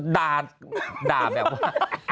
ด่าด่าแบบว่า